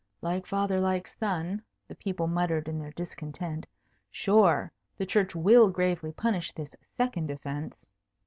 "Like father like son," the people muttered in their discontent. "Sure, the Church will gravely punish this second offence."